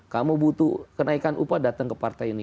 kamu butuh kenaikan upah datang ke partai ini